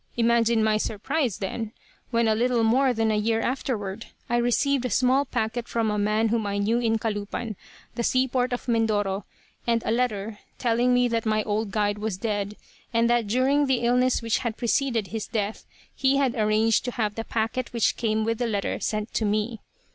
Imagine my surprise, then, when a little more than a year afterward, I received a small packet from a man whom I knew in Calupan, the seaport of Mindoro, and a letter, telling me that my old guide was dead, and that during the illness which had preceded his death he had arranged to have the packet which came with the letter sent to me.